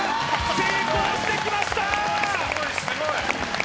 成功してきました！